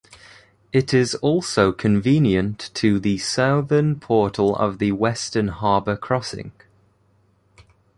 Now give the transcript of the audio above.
It is also convenient to the southern portal of the Western Harbour Crossing.